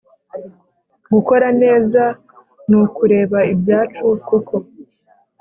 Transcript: gukora neza ni ukureba ibyacu kuko